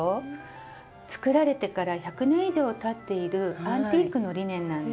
作られてから１００年以上たっているアンティークのリネンなんです。